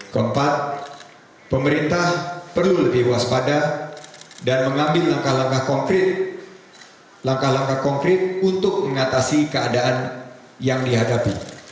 keempat pemerintah perlu lebih waspada dan mengambil langkah langkah konkret langkah langkah konkret untuk mengatasi keadaan yang dihadapi